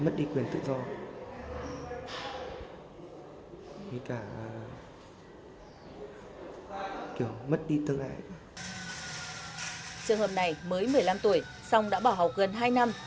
trường hợp này mới một mươi năm tuổi xong đã bỏ học gần hai năm